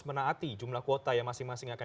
menaati jumlah kuota yang masing masing akan